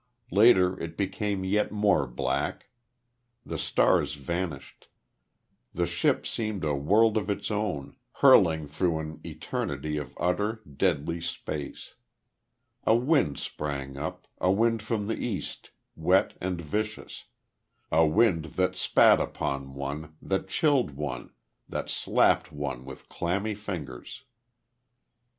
Later it became yet more black. The stars vanished.... The ship seemed a world of its own, hurling through an eternity of utter, deadly space. A wind sprang up, a wind from the East, wet and vicious, a wind that spat upon one, that chilled one, that slapped one with clammy fingers.